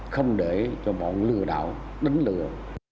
không để cho bọn lừa đảo đánh lừa